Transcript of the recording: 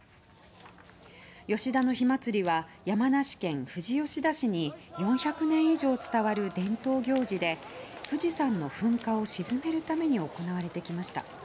吉田の火祭りは山梨県富士吉田市に４００年以上伝わる伝統行事で富士山の噴火を鎮めるために行われてきました。